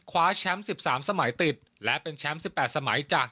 คว้าแชมป์สิบสามสมัยติดและเป็นแชมป์สิบแปดสมัยจาก